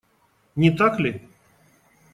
Не так ли?